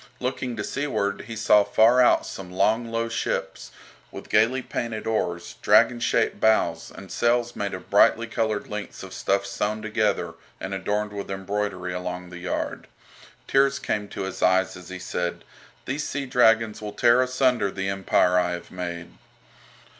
Looking to seaward he saw far out some long low ships, with gaily painted oars, dragon shaped bows, and sails made of brightly coloured lengths of stuff sewn together and adorned with embroidery along the yard. Tears came to his eyes as he said: "These sea dragons will tear asunder the empire I have made."